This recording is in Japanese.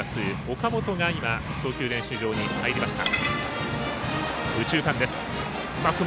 岡本が今、投球練習場に入りました。